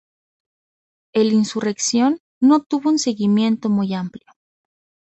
La insurrección no tuvo un seguimiento muy amplio.